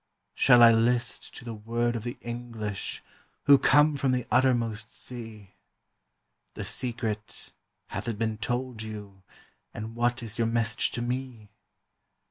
Shall I list to the word of the English, who come from the uttermost sea? "The Secret, hath it been told you, and what is your message to me?"